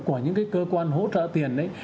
của những cái cơ quan hỗ trợ tiền